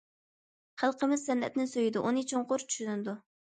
خەلقىمىز سەنئەتنى سۆيىدۇ، ئۇنى چوڭقۇر چۈشىنىدۇ.